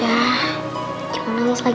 udah cuma nolos lagi